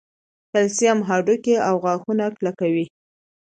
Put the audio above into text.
کلسیم هډوکي او غاښونه کلکوي